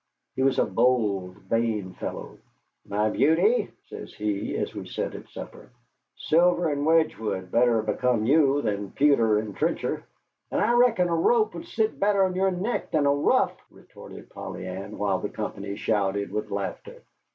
He was a bold, vain fellow. "My beauty," says he, as we sat at supper, "silver and Wedgwood better become you than pewter and a trencher." "And I reckon a rope would sit better on your neck than a ruff," retorted Polly Ann, while the company shouted with laughter.